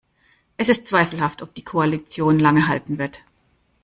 Es ist zweifelhaft, ob die Koalition lange halten wird.